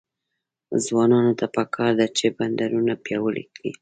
ځوانانو ته پکار ده چې، بندرونه پیاوړي کړي.